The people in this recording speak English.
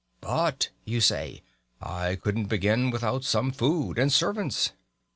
"But," you say, "I couldn't begin without some food, and servants."